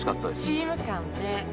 チーム感ね。